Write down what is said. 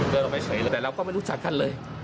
เดินไปใช้แต่เราก็ไม่รู้จักกันเลย